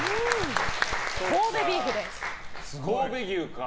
神戸ビーフです。